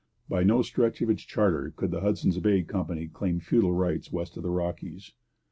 By no stretch of its charter could the Hudson's Bay Company claim feudal rights west of the Rockies.